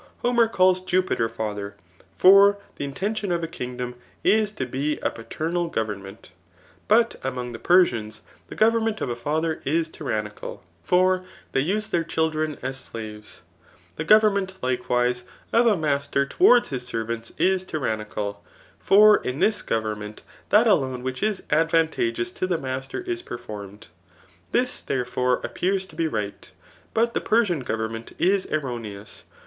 Homer caUs Jupiter father ; for the intention of a kingdom is to be a paternal government. . But among the Persiaas the govemmeat of a Btther is .tyrannical ; Digitized by Google #HABfK«^ . STHICS« 318 fer dicf tiae tbetr duld^ea as slaves. The goyenunent, i&Leirise^ of a master towards his servants is tyrannical; 6m m this government that alone which is advantageous to the master is performed. This, therefore, appears to be right ; but the Persian government is erroneous.